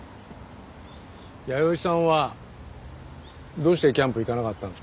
弥生さんはどうしてキャンプ行かなかったんですか？